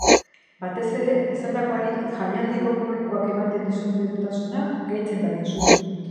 Batez ere, esandakoari jaialdiko publikoak ematen dizun berotasuna gehitzen badiozu.